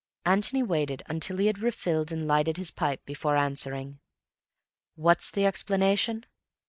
Antony waited until he had refilled and lighted his pipe before answering. "What's the explanation?